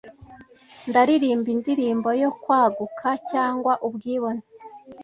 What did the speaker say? Ndaririmba indirimbo yo kwaguka cyangwa ubwibone,